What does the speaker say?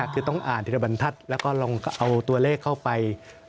คือต้องอ่านธิรบรรทัศน์แล้วก็ลองเอาตัวเลขเข้าไป